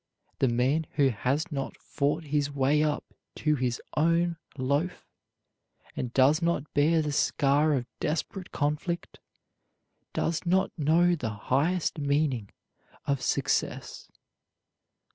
The man who has not fought his way up to his own loaf, and does not bear the scar of desperate conflict, does not know the highest meaning of success.